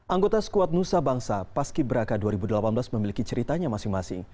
anggota skuad nusa bangsa paski braka dua ribu delapan belas memiliki ceritanya masing masing